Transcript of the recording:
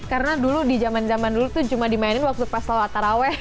karena dulu di jaman jaman dulu tuh cuma di mainin waktu pasal atarawe